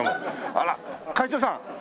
あら会長さん！